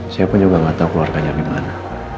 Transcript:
saya pun juga gak tau keluarganya bimana